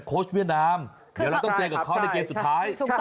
เวียดนามเดี๋ยวเราต้องเจอกับเขาในเกมสุดท้าย